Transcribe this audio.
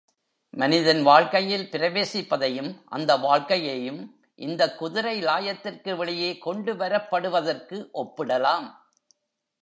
மனிதன் வாழ்க்கையில் பிரவேசிப்பதையும், அந்த வாழ்க்கையையும் இந்தக் குதிரை லாயத்திற்கு வெளியே கொண்டுவரப்படுவதற்கு ஒப்பிடலாம்.